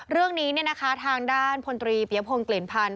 เรื่องนี้ทางด้านพลตรีปียพงศ์กลิ่นพันธ